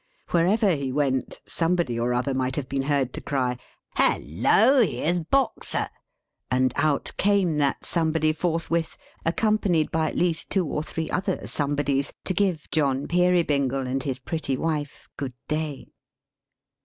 Wherever he went, somebody or other might have been heard to cry, "Halloa! Here's Boxer!" and out came that somebody forthwith, accompanied by at least two or three other somebodies, to give John Peerybingle and his pretty wife, Good Day.